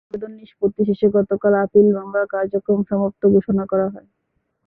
আবেদন নিষ্পত্তি শেষে গতকাল আপিল মামলার কার্যক্রম সমাপ্ত ঘোষণা করা হয়।